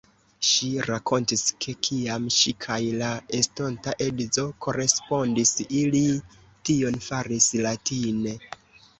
Ŝi rakontis, ke kiam ŝi kaj la estonta edzo korespondis, ili tion faris latine.